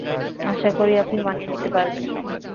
আশা করি আপনি মানিয়ে নিতে পারবেন।